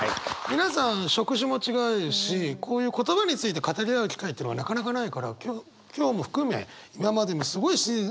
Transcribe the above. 皆さん職種も違うしこういう言葉について語り合う機会っていうのはなかなかないから今日今日も含め今までもすごい。